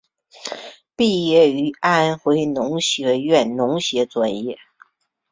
毕业于安徽农学院农学专业。